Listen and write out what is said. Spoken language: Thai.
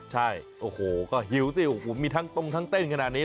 ใช่โอ้โหก็หิวสิโอ้โหมีทั้งตรงทั้งเต้นขนาดนี้